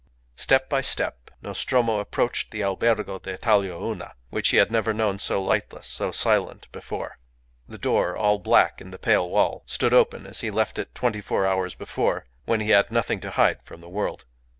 Step by step Nostromo approached the Albergo d'Italia Una, which he had never known so lightless, so silent, before. The door, all black in the pale wall, stood open as he had left it twenty four hours before, when he had nothing to hide from the world.